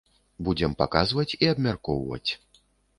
Будзем паказваць і абмяркоўваць.